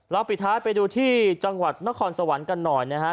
ปิดท้ายไปดูที่จังหวัดนครสวรรค์กันหน่อยนะฮะ